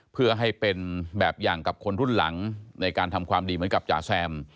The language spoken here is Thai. เพื่อให้เป็นแบบอย่างกับคนรุ่นหลังในการทำความดีเหมือนกับจ๋าแซม